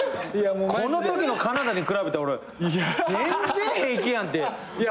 このときの金田に比べたら俺全然平気やんって。